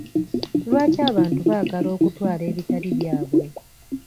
Lwaki abantu baagala okutwala ebitali byabwe?